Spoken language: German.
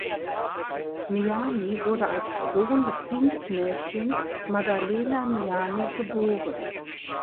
Miani wurde als Sohn des Dienstmädchens Maddalena Miani geboren.